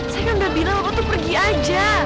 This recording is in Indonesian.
saya kan udah bilang aku tuh pergi aja